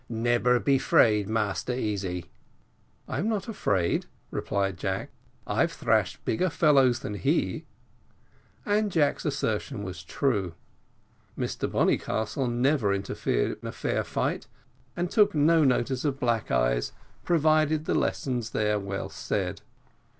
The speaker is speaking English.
Nebber be 'fraid, Massa Easy." "I am not afraid," replied Jack; "I've thrashed bigger fellows than he;" and Jack's assertion was true. Mr Bonnycastle never interfered in a fair fight, and took no notice of black eyes, provided the lessons were well said.